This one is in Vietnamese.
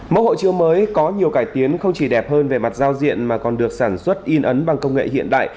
mẫu hộ chiếu mới có nhiều cải tiến không chỉ đẹp hơn về mặt giao diện mà còn được sản xuất in ấn bằng công nghệ hiện đại